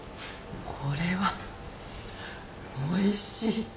これはおいしい！